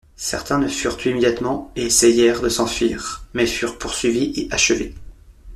Certains ne furent tués immédiatement et essayèrent de s'enfuir mais furent poursuivis et achevés.